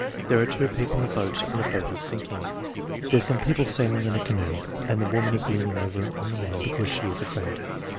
There are two people in the boat and the boat is sinking." "There's some people sailing in a canoe and the woman is leaning over on the man because she is afraid."